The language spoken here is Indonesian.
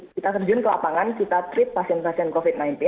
kita terjun ke lapangan kita treat pasien pasien covid sembilan belas